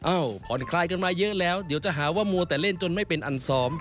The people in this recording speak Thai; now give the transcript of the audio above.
ผ่อนคลายกันมาเยอะแล้วเดี๋ยวจะหาว่ามัวแต่เล่นจนไม่เป็นอันซ้อม